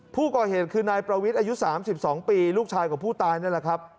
ผู้ก่อเหตุคือนายประวิทย์อายุ๓๒ปีลูกชายของผู้ตายนั่นแหละครับ